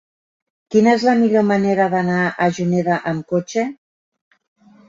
Quina és la millor manera d'anar a Juneda amb cotxe?